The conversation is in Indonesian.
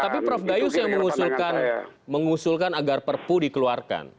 tapi prof gayus yang mengusulkan agar perpu dikeluarkan